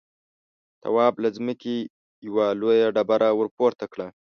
تواب له ځمکې يوه لويه ډبره ورپورته کړه.